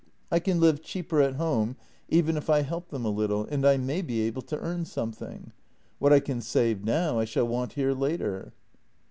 I can live cheaper at home even if I help io8 JENNY them a little, and I may be able to earn something. What I can save now, I shall want here later."